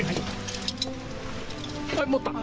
はい持った。